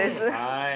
はい。